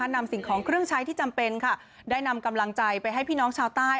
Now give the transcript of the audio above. นำสิ่งของเครื่องใช้ที่จำเป็นค่ะได้นำกำลังใจไปให้พี่น้องชาวใต้